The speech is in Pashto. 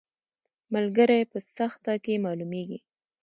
ملګری په سخته کې معلومیږي